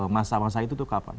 masa masa itu tuh kapan